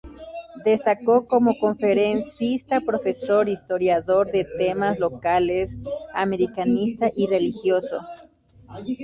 Destacó como conferenciante, profesor,e historiador de temas locales, americanistas y religiosos.